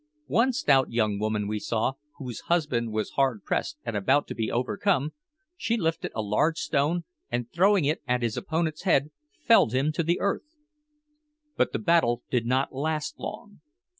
One stout young woman we saw, whose husband was hard pressed and about to be overcome: she lifted a large stone, and throwing it at his opponent's head, felled him to the earth. But the battle did not last long.